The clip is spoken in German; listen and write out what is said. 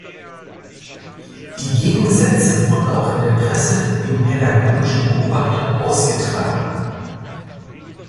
Die Gegensätze wurden auch in der Presse, im «Pädagogischen Beobachter», ausgetragen.